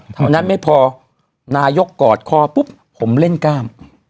เท่านั้นไม่พอนายกกอดคอปุ๊บผมเล่นก้าม